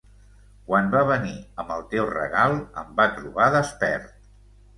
Quan va venir amb el teu regal em va trobar despert.